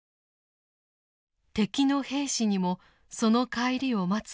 敵の兵士にもその帰りを待つ家族がいる。